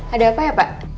ada apa ya pak